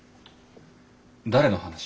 誰の話？